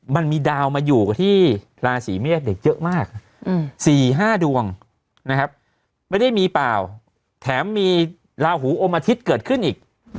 มันมีดาวมาอยู่กับที่ราศีเมษเด็กเยอะมาก๔๕ดวงนะครับไม่ได้มีเปล่าแถมมีลาหูอมอาทิตย์เกิดขึ้นอีก